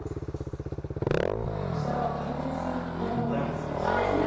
皿は耐熱のものがいいですか？